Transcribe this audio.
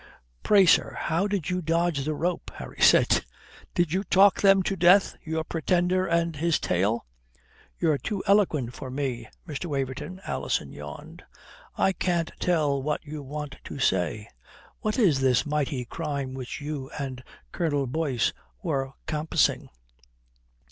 "Pray, sir, how did you dodge the rope?" Harry said. "Did you talk them to death, your Pretender and his tail?" "You're too eloquent for me, Mr. Waverton," Alison yawned. "I can't tell what you want to say. What is this mighty crime which you and Colonel Boyce were compassing?"